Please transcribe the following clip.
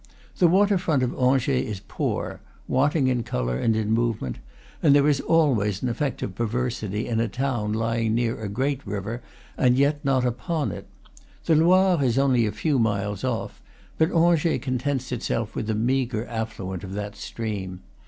The water front of Angers is poor, wanting in color and in movement; and there is always an effect of perversity in a town lying near a great river and, yet not upon it. The Loire is a few miles off; but Angers contents itself with a meagre affluent of that stream.